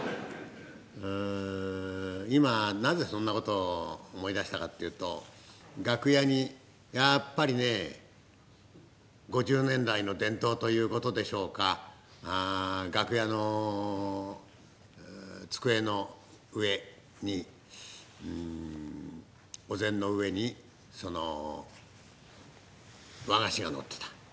ん今なぜそんなことを思い出したかっていうと楽屋にやっぱりねえ５０年来の伝統ということでしょうか楽屋の机の上にうんお膳の上にその和菓子が載っていた。